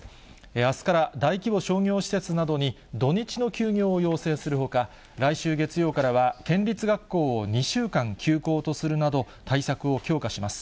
あすから大規模商業施設などに、土日の休業を要請するほか、来週月曜からは県立学校を２週間、休校とするなど対策を強化します。